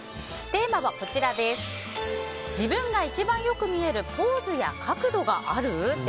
テーマは、自分が一番よく見える“ポーズ”や“角度”がある？